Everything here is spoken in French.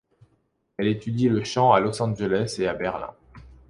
Elle étudie le chant à Los Angeles et à Berlin.